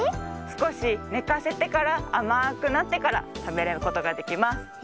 すこしねかせてからあまくなってからたべることができます。